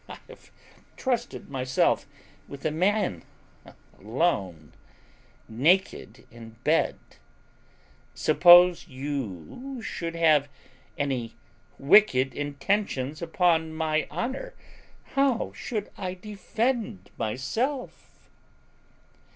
I have trusted myself with a man alone, naked in bed; suppose you should have any wicked intentions upon my honour, how should I defend myself?"